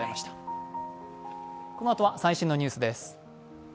このあとは最新のニュースです。